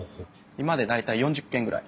今で大体４０軒ぐらい。